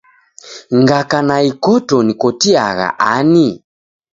Ngaka ni ikoto nikotiagha ani?